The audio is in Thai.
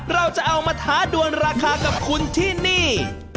เราจะเอามาท้าดวนราคากับคุณที่นี่